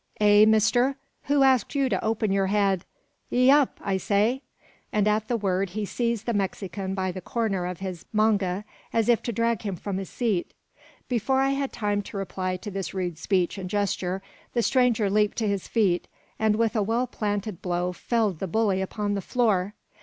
"Eh, mister? who asked you to open yer head? Ye up, I say!" and at the word, he seized the Mexican by the corner of his manga, as if to drag him from his seat. Before I had time to reply to this rude speech and gesture, the stranger leaped to his feet, and with a well planted blow felled the bully upon the floor.